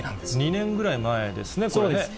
２年ぐらい前ですね、これね。